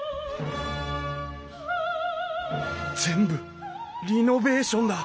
全部リノべーションだ。